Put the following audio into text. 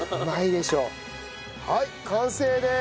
はい完成でーす。